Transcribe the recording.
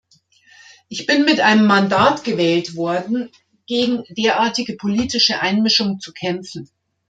Ich bin mit einem Mandat gewählt worden, gegen derartige politische Einmischung zu kämpfen.